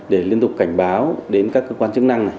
để liên tục cảnh báo đến các cơ quan chức năng